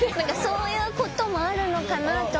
そういうこともあるのかなと思って用意